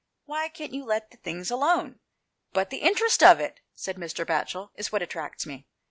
Why can't you let the things alone ?"" But the interest of it," said Mr. Batchel, " is what attracts me."